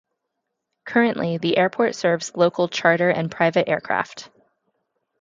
Currently, the airport serves local charter and private aircraft.